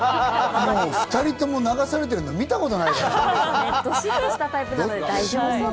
２人とも流されてるの見たことないから。